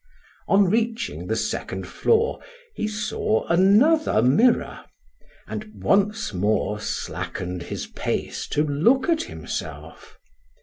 On reaching the second floor, he saw another mirror, and once more slackened his pace to look at himself.